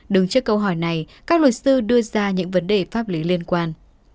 đứng trước câu hỏi này các luật sư đưa ra những vấn đề pháp lý liên quan